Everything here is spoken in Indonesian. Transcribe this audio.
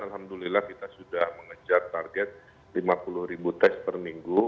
alhamdulillah kita sudah mengejar target lima puluh ribu tes per minggu